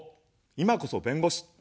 いまこそ弁護士。